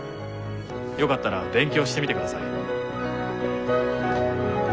よかったら勉強してみてください。